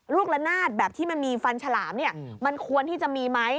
ละนาดแบบที่มันมีฟันฉลามเนี่ยมันควรที่จะมีไหม